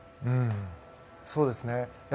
そうですね。